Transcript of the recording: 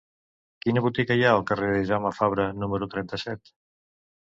Quina botiga hi ha al carrer de Jaume Fabra número trenta-set?